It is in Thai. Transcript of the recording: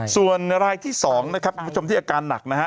ส่วนรายที่๒นะครับคุณผู้ชมที่อาการหนักนะฮะ